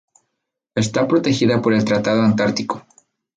Está protegida por el Tratado Antártico.